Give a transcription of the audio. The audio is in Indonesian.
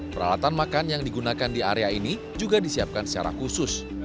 peralatan makan yang digunakan di area ini juga disiapkan secara khusus